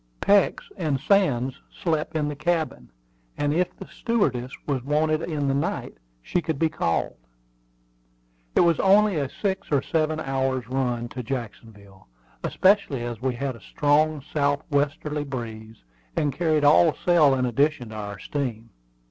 Peeks and Sands slept in the cabin; and if the stewardess was wanted in the night, she could be called. It was only a six or seven hours' run to Jacksonville, especially as we had a strong south westerly breeze, and carried all sail in addition to our steam.